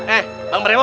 eh bang meremuk